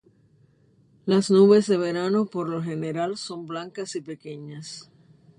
Las nubes de verano por lo general son blancas y pequeñas.